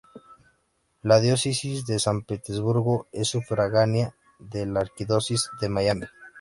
La Diócesis de San Petersburgo es sufragánea de la Arquidiócesis de Miami.